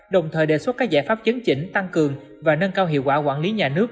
đồng thời đề xuất các giải pháp chấn chỉnh tăng cường và nâng cao hiệu quả quản lý nhà nước